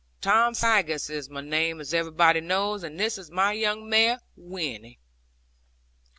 Tom Faggus is my name, as everybody knows; and this is my young mare, Winnie.'